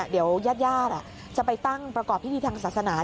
เดี๋ยวญาติจะไปตั้งประกอบพิธีทางศาสนา